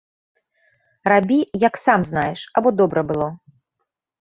Рабі, як сам знаеш, або добра было.